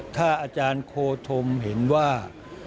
ถ้าอาจารย์โคธมเห็นว่า